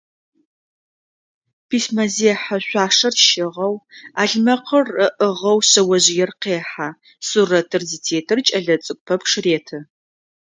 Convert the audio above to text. Письмэзехьэ шъуашэр щыгъэу, ӏалъмэкъыр ыӏыгъэу шъэожъыер къехьэ, сурэтыр зытетыр кӏэлэцӏыкӏу пэпчъ реты.